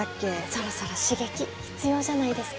「そろそろ刺激必要じゃないですか？」